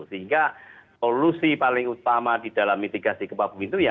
sehingga solusi paling utama di dalam mitigasi gempa bumi itu ya